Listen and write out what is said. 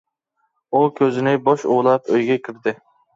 ئۇ كۆزىنى بوش ئۇۋۇلاپ ئۆيگە كىردى.